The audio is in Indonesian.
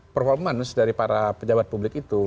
performance dari para pejabat publik itu